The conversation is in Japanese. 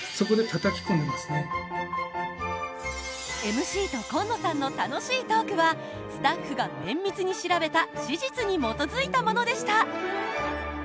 ＭＣと今野さんの楽しいトークはスタッフが綿密に調べた史実に基づいたものでした。